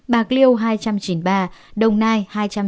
bạc liêu hai chín mươi ba đồng nai hai sáu mươi